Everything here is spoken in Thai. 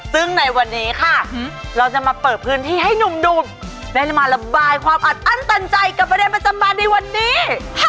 ซึ่งในวันนี้ค่ะเราจะมาเปิดพื้นที่ให้หนุ่มได้มาระบายความอัดอั้นตันใจกับประเด็นประจำบานในวันนี้